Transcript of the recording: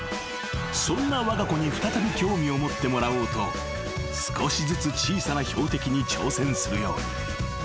［そんなわが子に再び興味を持ってもらおうと少しずつ小さな標的に挑戦するように］